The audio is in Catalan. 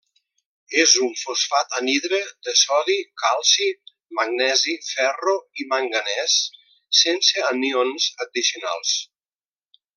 És un fosfat anhidre de sodi, calci, magnesi, ferro i manganès, sense anions addicionals.